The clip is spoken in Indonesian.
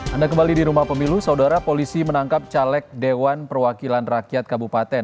anda kembali di rumah pemilu saudara polisi menangkap caleg dewan perwakilan rakyat kabupaten